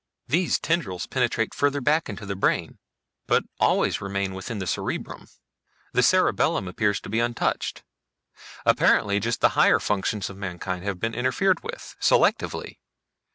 "These tendrils penetrate further back into the brain, but always remain in the cerebrum. The cerebellum appears to be untouched. Apparently just the higher functions of mankind have been interfered with, selectively.